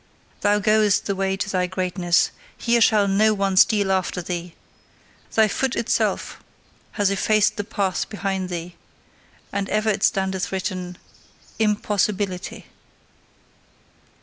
Thou goest the way to thy greatness: here shall no one steal after thee! Thy foot itself hath effaced the path behind thee, and over it standeth written: Impossibility.